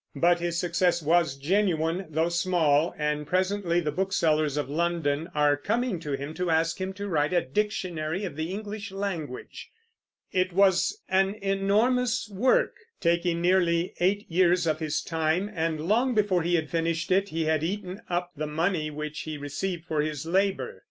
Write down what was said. But his success was genuine, though small, and presently the booksellers of London are coming to him to ask him to write a dictionary of the English language. It was an enormous work, taking nearly eight years of his time, and long before he had finished it he had eaten up the money which he received for his labor.